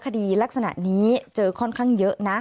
คดีลักษณะนี้เจอค่อนข้างเยอะนะ